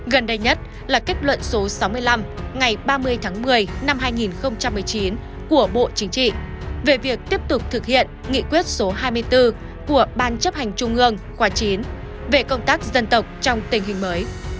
gần đây nhất là kết luận số sáu mươi năm ngày ba mươi tháng một mươi năm hai nghìn một mươi chín của bộ chính trị về việc tiếp tục thực hiện nghị quyết số hai mươi bốn của ban chấp hành trung ương khóa chín về công tác dân tộc trong tình hình mới